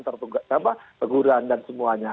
tertunggu apa teguran dan semuanya